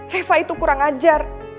reva itu kurang ajar